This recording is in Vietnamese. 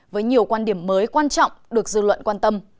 với nhiều quan điểm mới quan trọng được dư luận quan tâm